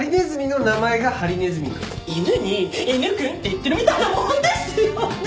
犬に「犬君」って言ってるみたいなものですよね！